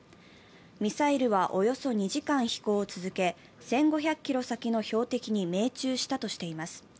ミサイルはおよそ２時間飛行を続け、１５００ｋｍ先の標的に命中したとしています。